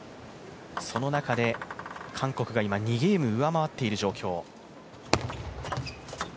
その中で、韓国が今２ゲーム上回っている状況。